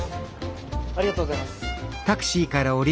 ありがとうございます。